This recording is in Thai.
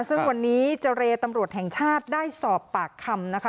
ซึ่งวันนี้เจรตำรวจแห่งชาติได้สอบปากคำนะคะ